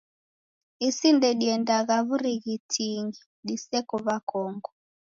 Isi ndediendagha w'urighitingi diseko w'akongo.